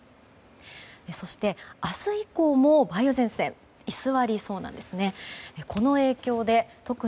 そして、明日以降も梅雨前線居座りそう